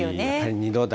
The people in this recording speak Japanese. ２度台。